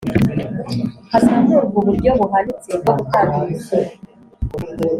hazamurwe uburyo buhanitse bwo gutanga imisoro